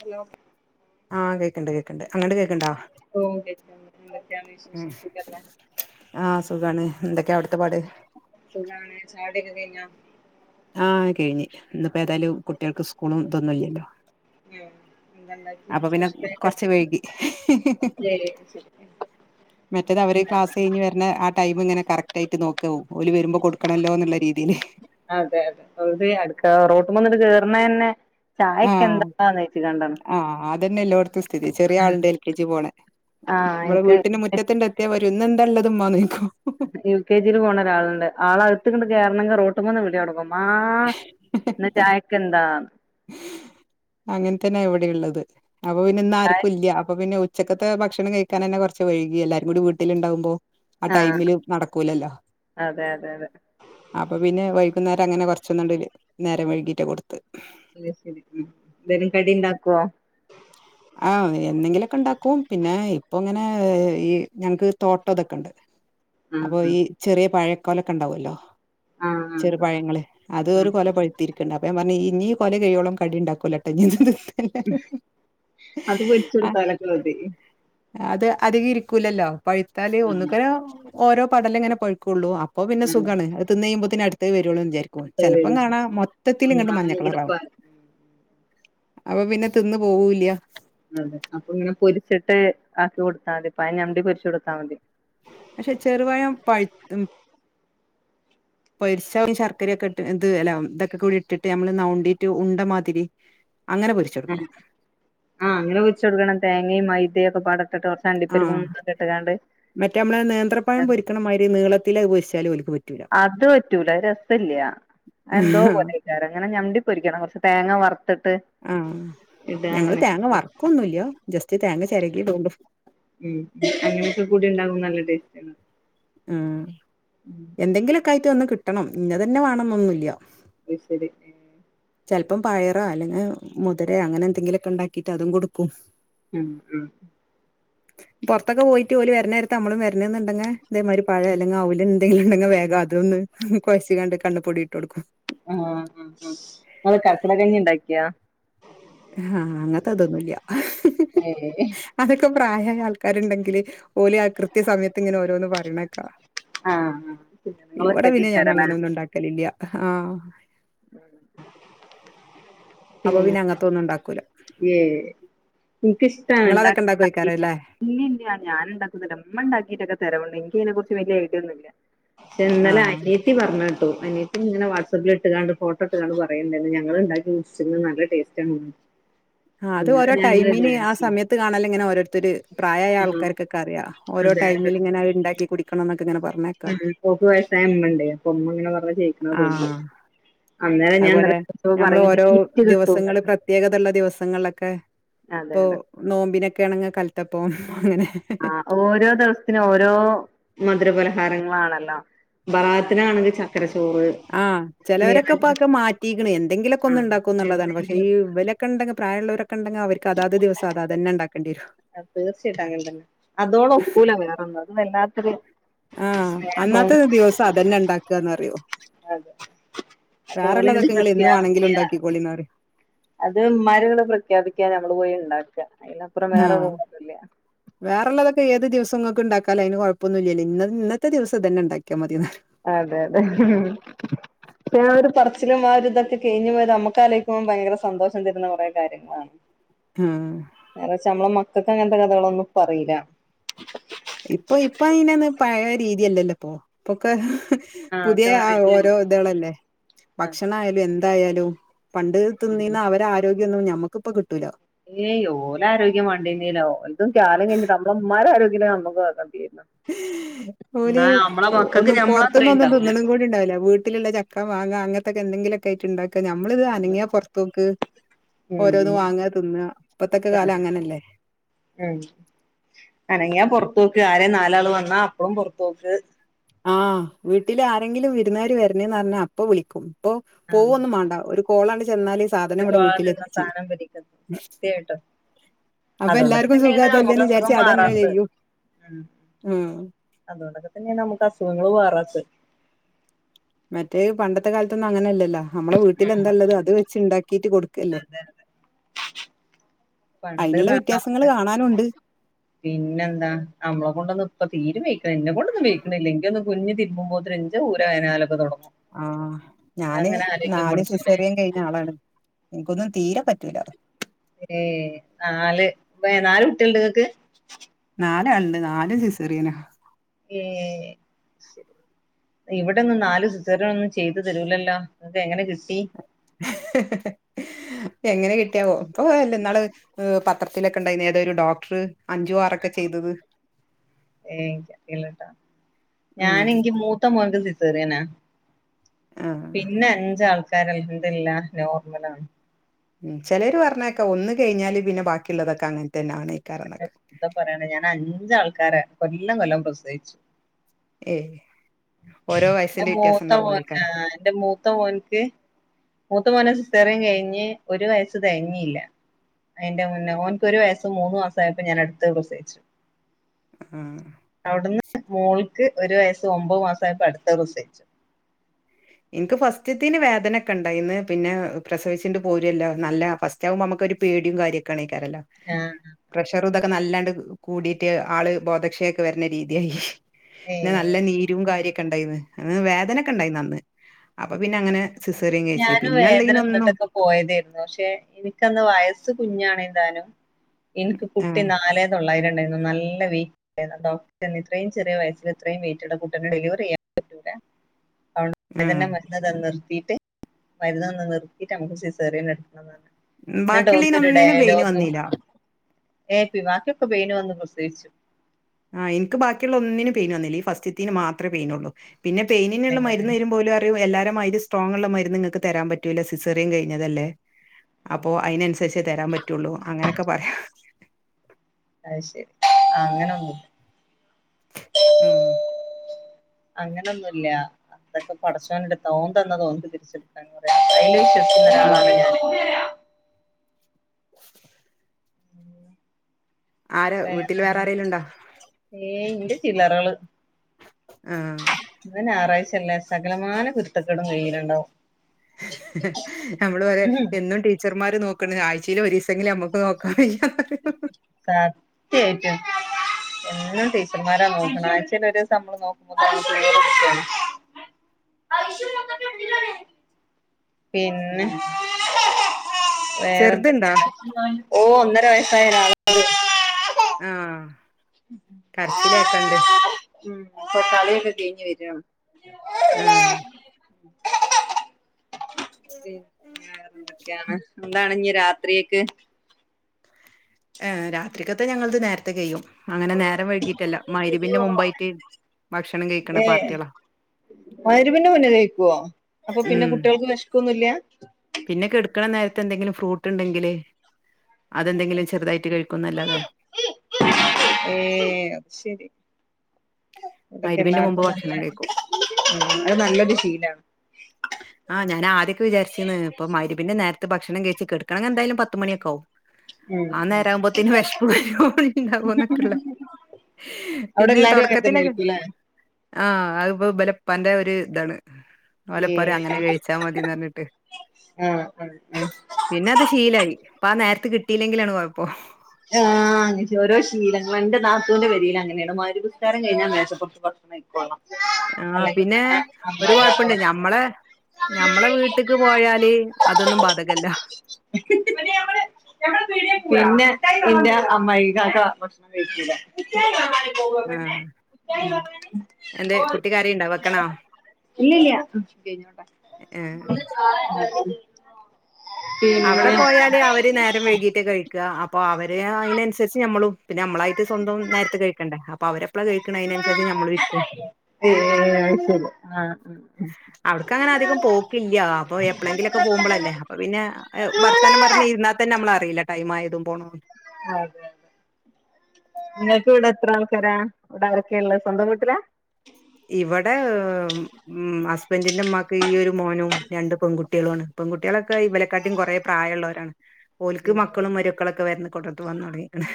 Hello അഹ് ആഹ് കേക്കിണ്ട് കേക്കിണ്ട് അങ്ങട്ട് കേക്കിണ്ടാ ഓ കേക്കാം. എന്തൊക്കെയാണ് മ് വിശേഷം സുഖല്ലേ ആഹ് സുഖാണ് എന്തൊക്കെയ അവിടുത്തെ പാട് സുഖാണ് ചായടിക്കെകയിഞ്ഞോ? ആഹ് കഴിഞ് ഇന്ന്പ്പോ ഏതായാലും കുട്ടൃൾക്ക് സ്കൂളും ഇതൊന്നുംല്ലല്ലോ [unintelligible] പിന്നെത്നാക്കി അപ്പൊ പിന്നെ കൊറച്ച് വൈ കി ശരി ശരി മറ്റേത് അവര് ക്ലാസ് കഴിഞ്ഞഞ് വര ആ ടൈം ഇങ്ങനെ കറക്റ്റ് ആയിട്ട് നോക്കോവുംഓല് വരുമ്പോ കൊടുക്കണല്ലോ എന്നുള്ള രീതിയില് അതെ തെ ഓര്അടുക്കളറോട്ട്മന്നന്നെകേറ്ണ തന്നെ ചായക്കെ ആഹ് എന്താ നേച്ച് ട്ടുണ്ടൻ ആഹ് അതന്നെയല്ലോടത്ത സ്ഥിതി ചെറിയ ആളിണ്ട് എൽ കെ ജി പോണെ ആഹ് നമ്മടെ എനിക്ക് വീട്ടിലും മു റ്റത്തി എത്തിയാ വരും ന്ന് എന്താല്ലത് മ്മാചോയ്ക്കും യു കെ ജിയി പോണ ഒരാളുണ്ട് ആള് അകത്ത്ക്ക്ട് കേറണണങ്കി റോട്ടുമ്ന്ന് വിളിോടങ്ങും മാചായക്ക്ന്താ അങ്ങനെത്തന്നാവിടെ ഉള്ളത് അപ്പൊ പിന്നെ ഇന്നു ചായ ആർക്കും ഇല്ല അപ്പൊ പിന്നെ ച്ചക്കത്തെ ഭക്ഷണം കഴിക്കാൻ തന്നെ കുറച്ച് വഴുകി എല്ലാരരുംകൂടി വീട്ടിലുണ്ടാവുമ്പോ ആഹ് അടൈമില് നടക്കൂലല്ലോ അതെ അതെ അതെ അപ്പൊ പിന്നെ വൈകുന്നേരം അങ്ങനെ കൊറച്ചൊന്നുംണ്ട് നേരം വഴുകീട്ട കൊടുത്ത് [unintelligible] രെതലും കടി ഉണ്ടാക്കോ ആഹ് എന്തെങ്കിലുക്കെ ഉണ്ടാക്കും പിന്നെ ഇപ്പൊ അങ്ങനെ ഓ ഈ ഞങ്ങക്ക് തോട്ടം ഇതൊക്കെുണ്ട് അപ്പൊ ആഹ് ഈ ചെറിയ പഴ കൊലൊക്കെ ഉണ്ടാവോല്ലോ ആഹ് ആഹ് ചെറു ആഹ് പഴങ്ങള് അത് ഒരു കൊല ഉം പഴ്ത് രിക്കണ്ട് അപ്പ പറഞ്ഞ് ഇഞ്ഞി കൊല കഴിയോളം കടി ഉണ്ടാക്കുലട്ടോ ഇ [unintelligible] അത് വച്ചടുത്താലൊക്ക മതി അത് അധികം ഇരിക്കൂലല്ലോ പഴുത്താല് ആഹ് ഒന്നകേ ഓരോ പടല ഇങ്ങനെ പഴുക്കുള്ളൂ അപ്പോ പിന്നെ സുഖണ് ആഹ് അ തിന്ന്യുമ്പോന് അടുത്തത്ത് വരൊള്ളുന്ന് ചെലപ്പം വരും കാണാ മൊത്തത്തില ഒന്നാകെടുപ്പാ ഇങട്ട്മഞ്ഞക്കളറാക്ണ് അപ്പൊ പിന്നെ തിന്ന് പോവൂല്ല്യ അപ്പൊ ഇങ്ങനെപൊരിച്ചിട്ട്ആക്കി കൊടുത്താ മതി പയഞൗണ്ടി പൊരിച്ചു കൊടുത്താ മതി പക്ഷെ ചെറുപയം പയ്ത്തു പെരിച്ച ശർക്കരയൊക്കെ ഇത് ഇ അല്ല ഇതൊക്കെ കൂടി ഇട്ടിട്ട് ഞമ്മള് നൗണ്ടിട്ട് ഉണ്ടമാതിരി അങ്ങെനെ പൊരി ഉ ആഹ് അങ്ങനെ പൊരിച്ച കൊടുക്കണ തേങ്ങയും മൈദയും ഒക്കെപാടത്തിിട്ട് ആ മറ്റേ നമ്മളെ നേന്ത്രപായം പൊരിക്കണ മാതിരി നീളത്തില ഉപരിച്ചാല് ഒലിക്ക് പറ്റ അത് പറ്റൂല രസല്ലൃഎന്തോ പോലെ ചറെങ്ങനെ ഞണ്ടി പൊരിക്കണം തേങ്ങ വറുത്ത്ട്ട് ആഹ് ഞങ്ങള്ൾ തേങ്ങ വർക്കൊന്നുംല്ലോ ജസ്റ്റ് തേങ്ങ ചെരകിടും ഉം അങ്ങനെ കുടി ണ്ടാകും നല്ലത് അ എന്തെങ്കിലുക്കെ ആയിട്ട് ഒന്ന് കിട്ടണം ഇന്ന തന്നെ വേണംന്നൊന്നുല്ല അത് ശരി ചെലപ്പം പയറോ അല്ലെങ്കി മുതിര അങ്ങനെ ന്തെങ്കിലുമൊക്കെ ഉണ്ടാക്കിട്ട് അതും കൊടുക്കും ഉം അ പൊറത്തൊക്കെ പോയിട്ട് ഒല് വരുന്നേരത്ത് നമ്മളുംവരണ എന്നുണ്ടെങ്കി തേമാതിരി പഴ അല്ലെങ്കി അവല് എന്തെല ഉണ്ടെങ്കിൽ വേഗം അതൊന്ന് കുഴച്ച് കാണ്ട് കണ്ണ്പ്പൊടി ഇട്ടൊടുക്കും ആ ങ്ങള് കർക്കടഞ്ഞിണ്ടാക്കിയാ ആഹ് അങ്ങനത്തെതൊന്നുംല്ല ഏ അതൊക്കെ പ്രായമായ ആൾക്കാരുണ്ടെങ്കില് ഓലെ ആ കൃത്യ സമയത്ത് ഇങ്ങനെ ഓരോന്ന് പറണേക്കാ ആ നിങ്ങൾ ഒറ്റയ്ക്ക് ഞാൻ കേക്കാരല്ല അങ്ങനെ ഒന്നും ആ അപ്പൊ ഉം പിന്നെ അങ്ങനത്തെ ഒന്നും ഉണ്ടാക്കൂല ഏഹ് ക്ക്ഷ്ടം നിങ്ങളതൊക്കെ ണ്ടാക്കാനറീല ഉണ്ടാക്കുവയ്ക്കാരല്ലേ ഇല്ല ഇല്ല ഞാൻഉണ്ടാക്കുന്നണ്ട്ഇമ്മ ഇണ്ടിയിട്ടൊക്കെ തരമുണ്ട് എനിക്ക അതിനെ കുറിച്ച്‌വലിയ ഐഡിയ ഇല്ല. ഒന്നുമല്ല ചേ ആ ഇന്നലെ അനിയത്തി പറഞ്ഞ കേട്ടു അനിയത്തി നിങ്ങനെ വാട്സആപ്പിൽ ഇട്ട് കാണ്ട് ഫോട്ടോ ഇട്ട് കണ്ട് പറയന്ന് ഞങ്ങൾ ഉണ്ടാക്കി മിച്ചർ നിന്ന് നല്ല ടെസ്റ്റ് ഉണ്ട്. ആ അത് ഓരോ ടൈമിന് ആ സമയത്ത് കാണാാല ഇങ്ങനെ ഓരോ ഓരോരുത്തർ പ്രായമായ ആഹ് ആൾക്കാരൊക്കെ റിയാം. ആൾക്കാർക്കൊക്കെ അറിയാം ഓരോ അതെ അതെ ടൈമിൽ ഇങ്ങനെഇണ്ടാക്കി കുടിക്കണം എന്നൊക്കെഇങ്ങനെ പറഞ്ഞേ. ഓക്ക് വയസ്സായ ഇമ്മ ഇണ്ടേ അപ്പൊ ഉമ്മങ്ങനെ പറഞ്ഞ ചെയ്യിക്കണ തോന്നുന്നു ആഹ് അന്നേരം ഞാൻ [unintelligible] അതുപോലെ ഞമ്മള് ഓരോ നല്ലഗിഫ്റ്റ് കിട്ടും. ദിവസങ്ങള് പ്രത്യേകതയുള്ള ദിവസങ്ങളിലൊക്കെ അതെ ഇപ്പൊ അതെ നോമ്പിനൊക്കെയ ആണെങ്കി കലത്തപ്പോം അങ്ങനെ ആ ഓരോ ദിവസത്തിനും ഓരോ മധുരപലഹാരങ്ങളാണല്ലോ ബറാത്തിനാണെങ്കിൽ ചക്കര ചോറ് ആഹ് ചിലവരൊക്കെ ഇപ്പൊക്കെ മറ്റിക്കണ് എന്തെങ്കിലുക്കെ ആഹ് ഒന്ന്ഇണ്ടാക്കോന്നുള്ളതാണ് പക്ഷെ എന്തെങ്കിലും ഇവലാക്കെ ഒക്കണ്ടെങ്കിൽ പ്രായുള്ളരോക്കെ ഇണ്ടങ്കി അവർക്ക്അതയത് ദിവസം അതാത് തെന്നാഇണ്ടാക്കേണ്ടിരും അ തീർച്ചയായിട്ടും അങ്ങന തന്നെ അതോണ ഒക്കൂല വേറെന്നും വല്ലാത്തൊരു ആ സ്നേഹവും അന്നാത്തെ ദിവസം അതന്നെ ഉണ്ടാക്കുകന്ന് അറിയോ അതെ തോല് ഇങ്ങള് എന്നും ചെത്തിയാൽ വാണെങ്കിലും ഇണ്ടാക്കിക്കോളിന്ന് പറയും അത് ഇമ്മര് പ്രഖ്യാപിക്കാ നമ്മള് പോയി ഉണ്ടാക്കുക അതിനപ്പുറം വേറെ ഒന്നുമില്ല വേറെ ഉള്ളതൊക്കെ ഏത് ദിവസംങ്ങൾക്ക് ഉണ്ടാക്കാല അന് കുഴപ്പൊന്ന ഇില്ലല്ല ഇന്ന് ഇന്നത്തെ ദിവസം തന്നെ ഉണ്ടാക്കിയാ മതിയന്ന പറയും അതെ അതെ ഇപ്പോ ഞാൻ പറച്ചിലും മാരിത്കഴിഞ്ഞഞ്ഞ പോയത് നമക്കാലേക്കുമ്പോ ഭയങ്കര സന്തോഷം തരുന്ന കുറെേ കാര്യങ്ങളാണ്. ആഹ് വേറെ വെച്ചാ നമ്മള മക്കൾക്ക് അങ്ങനത്തെ കഥകളൊന്നും ഇപ്പോ പറയില. ഇപ്പൊ ഇപ്പൊ അയ്ന്ന് പഴയ രീതിയല്ലല്ലോ ഇപ്പൊ ഇപ്പൊക്കെ. ആഹ് ഒക്കെ പുതിയ വെറൈറ്റി ആണ് ഓരോ ഇതങ്കൽല്ല അതെ ഭക്ഷണയാലും എന്തായാലും പണ്ട്. തിന്ന തിന്നിന അവരെ ആരോഗ്യം നമ്മുക്കിപ്പ കിട്ടുല്ല ഏയ് ഓലആരോഗ്യം വണ്ടിന്നില്ല ഓലതും കാലം കഴിഞ്ഞിട്ട് ഉമ്മ രാ ആരോഗ്യം നമ്മുക്ക് വാണ്ടത് ഓള് മക്കൾക്ക് ഒന്ന് ഞമ്മള പുറത്തുനിന്ന് അത്രയും ഒന്നും ഉണ്ടാവൂല തിന്നുന്നു കുടിഉണ്ടാവില്ല വീട്ടിലുള്ള ചക്ക ഒക്ക വാങ്ങ അങ്ങനത്തൊക്കെ എന്തെിലൊക്കെ ആയിട്ട് ഇണ്ടാക്ക നമ്മളിത് അനങ്ങിയ പുറത്തോക്ക് ഉം ഓരോന്നന്ന് വാങ്ങാ തിന്ന ഇപ്പത്തക്കെ കാലം അങ്ങനെയല്ലേ ഉം അനങ്ങിയാ പൊറത്തേ ക്ക്ആരേ നാലാള് വന്നാ അപ്പേപുറത്തു പോക്ക് ആവീട്ടിൽ ആരെങ്കിലും വിരുന്നാർ വരുന്നേന്ന് അറിഞ്ഞ വീട്ടിൽ ആരെങ്കിലും പറഞ്ഞാ അപ്പൊ വിളിക്കും ഇപ്പൊ പോവന്നു വേണ്ടാ ഒരു കോൾ അങ്ങോട്ട് ചെന്നാൽ സഥധനം പിടിക്കും സത്യായിട്ടും അപ്പൊ അതുകൊണ്ടൊക്കെ എല്ലാർക്കും സുഖം തന്നെയാണ് നമ്മുക്ക അതല്ലേന്ന് അസുഖം വിചാരിച്ച് അതന്നെ മാറാത്തത്. ചെയ്യും. ഉം അതുകൊണ്ടൊക്കെ തന്നെയ നമുക്ക് അസുഖങ്ങൾ മാറാത്തത്. മറ്റേ പണ്ടത്തെ കാലത്തൊന്നും അങ്ങനെയല്ലല്ലോ നമ്മളെ വീട്ടിൽ എന്താല്ലത് അത് വെച്ച് ഉണ്ടാക്കിട്ട് കൊടുക്കല്ലേ അതെ അതെ പണ്ട് അതിനുള്ള വ്യത്യാസങ്ങള് കാണാനുണ്ട്. പിന്നെ എന്താ നമ്മളെ കൊണ്ടൊന്ന് ഇപ്പൊ തീര് വെയക്കണം എന്നെ കൊണ്ട് ഒന്ന് വെയ് കിന്നില്ലകുഞ്ഞ് തിരുമ്പുമ്പോ എൻ്റെ ഊര വേദനനാലുതുടങ്ങും ആ ഞാന്ന് പടച്ചോനെ നാല്സിസറിയുംകഴിഞ്ഞ് ന്ന ആളാണ് എന്നിക്കന്നും തീരെ പറ്റൂല്ല ഏ നാല് നാല് കുട്ടിയണ്ട്ങ്ങക്ക് നാല ആളുണ്ട് നാലുംസിസറിയന ഏ ശരി ഇവിടെൊന്നും നാല് സിസേറിയൻ ഒന്നും ചെയ്തു തരൂല്ലല്ലോ എങ്ങനെ കിട്ടി എങ്ങനെ കിട്ടിയാവോ അപ്പൊ അല്ല നാ പത്രത്തിലൊക്കെണ്ടായിുന്ന ഏതൊരു ഡോക്ടർ അഞ്ചു ആറൊക്കെ ചെയ്തത്. ഏ ഇച്ച് അറിയില്ല ട്ടോ ഞാൻ ഉം എനിക്ക് മൂത്താ മൂത്ത മോൻക്ക്സിസേറിയനാ ആഹ് പിന്നെ അഞ്ചാൽക്ക് കരു അല്ഹംന്തുലില്ലാ നോർമൽ ആണ്. മ് ചെലെര് പറഞ്ഞേക്കെ ഒന്ന് കഴിഞ്ഞാല് പിന്നെ ബാക്കിയുള്ളതൊക്കെ അങ്ങനെ തന്നെ ആന്നൊക്കെ എന്താ പറയാണേഞാൻഅഞ്ചാ ആൾക്കാരെ കൊല്ലം കൊല്ലം പ്രസവിച്ചു. ഏഹ് എന്റെ മൂത്തമോൻ ആഹ് എന്റെ മൂത്ത മോൻ തെ മൂത്തമോന് സിസേറിയൻ കഴിഞ്ഞ് ഒരു വയസ്സ് തെകഞ്ഞില്ല അതിന്റെ മുന്നേ ഓനക്ക് ഒരു വയസ് മൂന്ന് മാസആയപ്പോ ഞാനടുത്തെപ്രസവിച്ചു. മ്മ് അവിടുന്ന് മോൾക്ക് ഒരു വയസ്സ് ഒമ്പത് മാസആയപ്പോ അടുത്തെ പ്രസവിച്ചു. എൻക്ക് ഫാസ്റ്റത്തേന് വേദനെക്കെ ഉണ്ടായിന്ന് പിന്നെ പ്രസവിച്ചിട്ട് പോരില്ല നല്ല ഫസ്റ്റ് ക്കവുമ്പോ നമ്മക്കൊരുപേടിയും കാര്യക്കെണേക്കാരല്ലോ ആഹ് പ്രഷറ് ഇതൊക്കെ നല്ലാണ്ട് കു കൂടിയിട്ട്ആള് ബോധക്ഷയൊക്കെ വരണരീതിയായി ഏഹ് പിന്നനല്ല നീരും കാര്യക്കെ ഇണ്ടായിന്ന് മ് വേദനൊക്കെ ഇണ്ടായിഅന്ന് അപ്പൊ പിന്നെ അങ്ങനെ സിസേറിയൻ കഴിച്ചേ ഞാനും പിന്നെള്ളേ വേദന നൊന്നും. വന്നിട്ടൊക്കെ പോയതായിരുന്നു പക്ഷെ എനിക്കന്ന് വയസ്സ് കുഞ്ഞാണെന്താനും എനിക്ക് കുട്ടി ആഹ് നാല് തൊള്ളായിരംണ്ടായിരുന്നു നല്ല വെയ് ഡോക്ട നന്ന് ഇത്രയും ചെറിയ വയസില് ഇത്രയും വെയിറ്റ്ള്ള കുട്ടീ നെ ഡെലിവറി ചെയ്യാൻ പറ്റൂല അതോ ആഹ് അതന്നെ മറ്റതത് നിർത്തിയിട്ട് മരുന്നൊന്ന് നിർത്തിട്ട് നമുക്ക് സിസേറിയൻ എടുക്കണംന്ന്പറഞ്ഞ് എന്നിട്ടോൽടൊരു ബാക്കിയുള്ളീനൊന്നിനും പെയിന് ഡയലോകും വന്നീല്ല ഇടായാലോന്ന് ഏ പി ബാക്കിയൊക്കെ പൈനു വന്ന് പ്രസവിച്ചു ആഹ് എനിക്ക് ബാക്കിയൊള്ള ഒന്നിനും പെയിന് വന്നില്ല ഈ ഫസ്റ്റ് ഇത്തീന് മാത്രമേ പെയിനുള്ളൂ പിന്നെ പെയിനിന്ള്ള മര്ന്ന് തരുപ്പോല് അ ട്ട് എല്ലാരേം മായിരി സ്ട്രോങ്ങുളള മരുന്ന് നിങ്ങക്ക് തരാൻപറ്റൂല സിസേറിയൻകഴിഞ്ഞതല്ലേ അപ്പൊ അയിന് അൻസ രിച്ചേ തരാൻപറ്റുള്ളൂ അങ്ങനൊ ക്കെപറയാ അയ്ശരി ആഹ് അങ്ങനൊന്നുല്ല. മ്മ് അങ്ങനൊന്നുല്ല അതൊക്കെ പടച്ചോന്റടുത്ത ഓൻതന്ന ഓൻ തിരിച്ച് എടുത്ത് [unintelligible] ആഹ് [unintelligible] ആരാ വീട്ടില് വേറെന്താ വേറെആരെലും ണ്ടാ ഏയ് ഇന്റെ ചില്ലറകള് ആഹ് ഇന്ന് ഞറാഴ്ച്ചല്ലേ സകലമാനകുരുത്തക്കേടും കയ്യിലുണ്ടാവും ഹ് ഹ് ഹ് നമ്മള് പറയ് ഉം എന്നും ടീ ച്ചർമാര് നോക്കണ് ആഴ്ചയിൽ ഒരീ സങ്കിലും നമുക്ക് നോക്കാ വയ്യാ ഹ് ഹ ഹ സത്യായിട്ടും എന്നും ടീച്ചറ്മാരാ നോക്കണെ ആഴ്ച്ചേല് ഒരു ദിവസം നമ്മള് നോക്കുമ്പോ [unintelligible] പിന്നെ ചെറുതുണ്ടോ വേറെന്തൊക്ക്യാ ഓ ഒന്നര വയസ്സായ ഒരാള് ആഹ് കരച്ചില് കേക്കണ്ട് ഉമ് ഇപ്പൊ കളിയൊല്ലാം തേഞ്ഞ് വര്യാണ് ആഹ് -പിന്ന വേറെന്തൊക്കെയാണ് എന്താണ് ഇനി രാത്രിയെക്ക് ഏഹ് രാത്രിക്കത്തെഞങ്ങളത് നേരത്തെ കൈയ്യും അങ്ങനെ നേരം വൈകിറ്റല്ല മഗ്രി ബിന്റെ മുമ്പായിട്ട് ഭക്ഷണം കഴിക്കണ പാർട്ടികളാ മഗ്രിബിന് മുന്നേ കഴിക്കുവോ അപ്പൊ പിന്നെ ഉം കുട്ടികൾക്ക് വിഷക്കൊന്നുഇല്ലാ പിന്നെ കെടുക്കണ നേരത്തെ ന്തെങ്കിലും ഫ്രൂട്ട് ണ്ടെങ്കില് അതെന്തെങ്കിലും ചെറുതായിട്ട് കഴിക്കുംന്നല്ലാതെ ഏ. അത് ശരി അതൊക്കെ മഗ്‌രിബിന്റെ മുമ്പ് എല്ലാവർക്കും ഭക്ഷണം കഴിക്കും നല്ല നല്ലൊരു ഫീലാണ് [inaudible] ആ ഞാൻ ആദ്യൊക്കെ വിചാരിച്ചിന്ന് ഇപ്പ മഗിരിബിന്റെ നേരത്ത് ഭക്ഷണം കഴിച്ചു കെടക്കണെങ്കി എന്താലും പത്ത് മണിയോക്കവും ഉം ആ ഉം നേരം ആവുമ്പോതേനു വിശപ്പ് വരുവോണ്ടാവോ ന്നക്കള്ള അവിടെ പിന്നെ എല്ലാരും അങ്ങനെ തന്നെ തുടക്കത്തിലൊക്കെ ആയിരിക്കുംല്ലേ ആഹ അതിപ്പോ ഇബലെ ഇപ്പാന്റെ ഒരു ഇതാണ് ഓല് പറയും അങ്ങനെ ഏ കഴിച്ചാ മതിന്ന് പറഞ്ഞിട്ട് ആഹ് ആഹ് പിന്നെ അത് ശീലയി ഇപ്പ ആ നേരത്ത് കിട്ടിയില്ലെങ്കിലാണ് കൊയപ്പം അങ്ങന ഓരോ ശീലങ്ങൾ എന്റെ നാത്തുന്റെ പെരയിൽ അങ്ങനെയാണ് മഗ്‌രിബ് നിസ്കാരം കഴിഞ്ഞാ മേശപ്പുറത്ത് ഭക്ഷണം എത്തിക്കോണം ആഹ് പിന്നെ ഒരു കൊഴപ്പുണ്ട് ഞമ്മളെ ഞമ്മളെ വീട്ടക്ക് പോയാല് അതൊന്നും ബാധകല്ല പിന്നെ ഇന്റെ അമ്മായി കാക്ക ഭക്ഷണം കഴിക്കൂല ആ എന്തേ [unintelligible] കുട്ടി കരയുണ്ടോ വെക്കണോ ഇല്ലില്ല ഏഹ് അവിടെ പോയാല് പിന്നെ അവര് നേരം വൈകീട്ടാ കഴിക്ക അപ്പൊ അവര് അയ്നനുസരിച്ച് നമ്മളും, പിന്നെ നമ്മളായി സ്വന്തം നേരത്തെ കഴിക്കണ്ടെ അപ്പോ അവരെപ്പഴാ കഴിക്കണ അതിനനുസരിച്ച് നമ്മളും ഇരിക്കും ആയ്ശരി ആഹ് ആഹ് അവിടെക്ക് അങ്ങനെ അധികം പോക്കില്ല അപ്പൊ എപ്പഴെങ്കിലൊക്കെ പോകുമ്പോളല്ലേ അപ്പൊ പിന്നെ വർത്തനം പറഞ്ഞ് ഇരുന്നാൽ തന്നെ നമ്മളറിയില്ല ടൈം ആയതും പോണതും അതെ നിങ്ങൾക്ക് ഇവിടെ എത്ര ആൾക്കാരാ ഇവിടെ ആരൊക്കെയ ഉള്ളത് സ്വന്തം വീട്ടിലാ ഇവിടെ ഉം ഹസ്ബന്റീന്റെ മ്മക്ക് ഈ ഒരു മോനും രണ്ട് പെൺകുട്ടികളുമാണ് പെൺകുട്ടികളൊക്കെ ഇവലക്കാട്ടിയും കുറെ പ്രായമുള്ളവരാണ് ഓല്ക്ക് മക്കളും മരുക്കളൊക്കെ വരന്ന് കൊണ്ടന്നു പോവാൻ തുടങ്ങിക്കണ്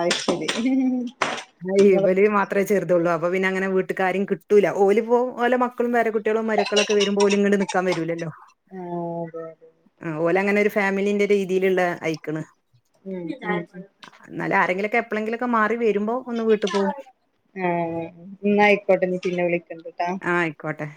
അത് ശരി നിങ്ങള് ഇവല് മാത്രേ ചെറുതുള്ളൂ അപ്പൊ പിന്നെങ്ങനെ വീട്ട ആരേം കിട്ടൂല്ല ഓല പോ ഓല മക്കളും വ കുട്ടികളും മരുമക്കളോക്കെ വരുമ്പോല് ഇങ്ങട്ട് നിക്കാൻ വരൂലല്ലോ ആഹ് അതെ അതെ ആ ഓലെ അങ്ങനെ ഒരു ഫാമിലിന്റെ രീതിയിലുള്ള ആയിക്കണ് മ്മ് എന്നാലും ആരെങ്കിലൊക്കെ എപ്പളെങ്കിലുക്കെ മാറി വരുമ്പോ ഒന്ന് വീട്ടി പോവും ആഹ ന്നായിക്കോട്ടെന്നെ പിന്നെ വിളിക്കണ്ട് ആഹ ആയിക്കോട്ടെ